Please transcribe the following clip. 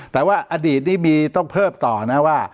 แต่ว่าอดีตนี้มีต้องเพิ่มต่อนะว่า